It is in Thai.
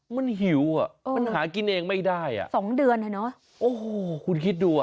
มันหิวอ่ะมันหากินเองไม่ได้อ่ะสองเดือนอ่ะเนอะโอ้โหคุณคิดดูอ่ะ